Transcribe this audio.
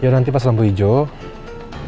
ya nanti pas lampu hijau